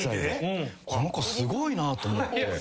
この子すごいなと思って。